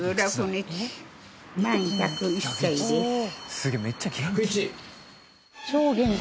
すげえめっちゃ元気。